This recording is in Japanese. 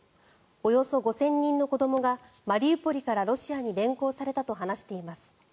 およそ５０００人の子どもがマリウポリからロシアに連行されたと話しています。